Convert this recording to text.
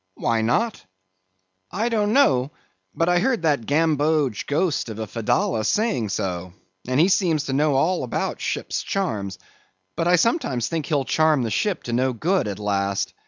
"Why not? "I don't know, but I heard that gamboge ghost of a Fedallah saying so, and he seems to know all about ships' charms. But I sometimes think he'll charm the ship to no good at last.